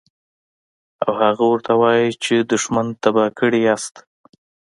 او هغه ورته وائي چې دشمن تباه کړے ئې